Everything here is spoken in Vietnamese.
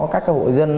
các hội dân